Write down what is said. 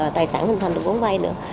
tài sản hình thành được vay nữa